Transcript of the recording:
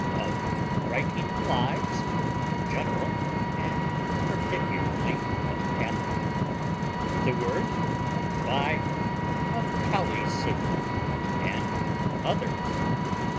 _Of writing lives in general, and particularly of Pamela; with a word by the bye of Colley Cibber and others.